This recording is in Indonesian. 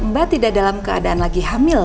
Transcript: mbak tidak dalam keadaan lagi hamil